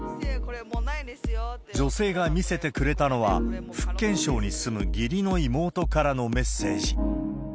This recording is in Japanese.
女性が見せてくれたのは、福建省に住む義理の妹からのメッセージ。